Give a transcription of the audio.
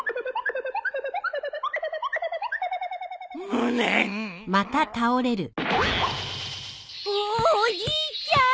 無念おじいちゃん！？